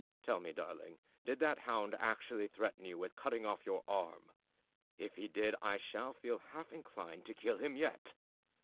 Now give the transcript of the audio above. Tell me, darling, did that hound actually threaten you with cutting off your arm? If he did, I shall feel half inclined to kill him yet."